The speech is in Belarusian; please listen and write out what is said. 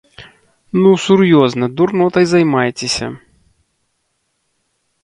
Ну сур'ёзна, дурнотай займаецеся!